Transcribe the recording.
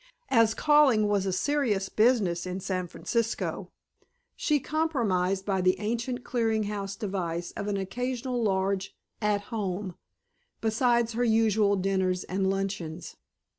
As calling was a serious business in San Francisco, she compromised by the ancient clearing house device of an occasional large "At Home," besides her usual dinners and luncheons.